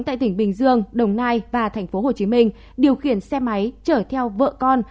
tại tỉnh bình dương đồng nai và tp hcm điều khiển xe máy chở theo vợ con